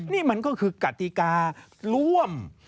นี่มันก็คือกติการ่วม